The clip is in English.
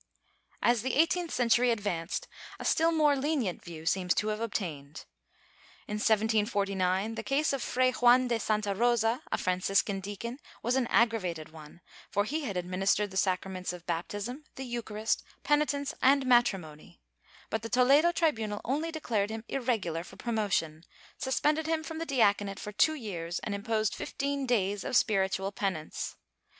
As the eighteenth century advanced a still more lenient view seems to have obtained. In 1749 the case of Fray Juan de Santa Rosa, a Franciscan deacon, was an aggravated one, for he had administered the sacraments of baptism, the Eucharist, penitence and matrimony, but the Toledo tribunal only declared him ''irregu lar" for promotion, suspended him from the diaconate for two years and imposed fifteen days of spiritual penance.